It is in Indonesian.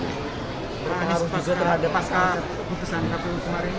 pak anies pas keputusan kpu kemarin